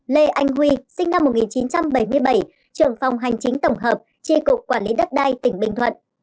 năm lê anh huy sinh năm một nghìn chín trăm bảy mươi bảy trưởng phòng hành chính tổng hợp tri cục quản lý đất đai tỉnh bình thuận